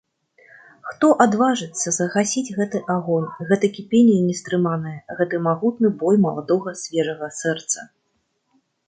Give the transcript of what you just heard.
Хто адважыцца загасіць гэты агонь, гэта кіпенне нястрыманае, гэты магутны бой маладога свежага сэрца!